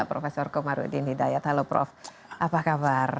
prof komarudin hidayat halo prof apa kabar